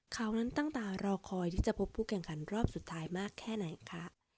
เขานั้นตั้งตารอคอยที่จะพบผู้แข่งขันรอบสุดท้ายมากแค่ไหนคะ